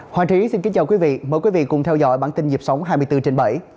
hoàng trí xin kính chào quý vị mời quý vị cùng theo dõi bản tin nhịp sống hai mươi bốn trên bảy